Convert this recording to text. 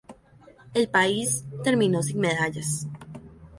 El país terminó sin medallas.